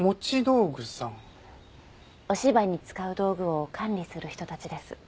お芝居に使う道具を管理する人たちです。